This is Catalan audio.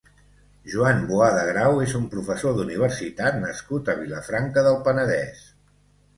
Joan Boada-Grau és un professor d'universitat nascut a Vilafranca del Penedès.